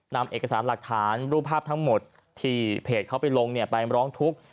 นำเอกสารหลักฐานรูปภาพทั้งหมดที่เพจเขาไปลงไปร้องทุกข์